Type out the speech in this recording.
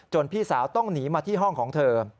พี่สาวต้องหนีมาที่ห้องของเธอ